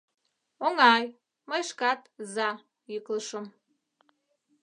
Оҥай — мый шкат «за» йӱклышым.